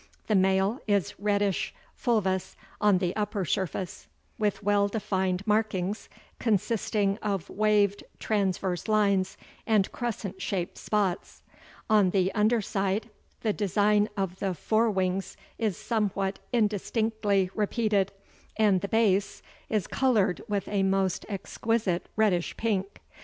The male is reddish fulvous on the upper surface, with well defined markings consisting of waved transverse lines and crescent shaped spots. On the under side the design of the fore wings is somewhat indistinctly repeated, and the base is colored with a most exquisite reddish pink.